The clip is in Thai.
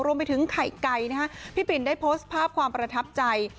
รวมไปถึงไข่ไก่นะฮะพี่ปินได้โพสต์ภาพความประทับใจ